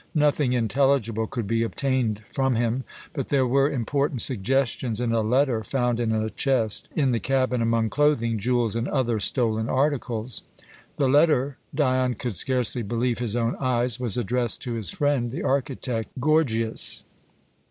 Nothing intelligible could be obtained from him; but there were important suggestions in a letter, found in a chest in the cabin, among clothing, jewels, and other stolen articles. The letter Dion could scarcely believe his own eyes was addressed to his friend, the architect Gorgias.